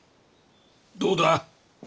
どうだ？